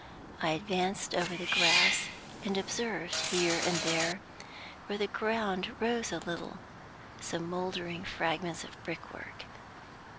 I advanced over the grass, and observed here and there, where the ground rose a little, some moldering fragments of brickwork.